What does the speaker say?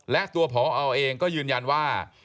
และตัวพอเองก็ยืนยันว่า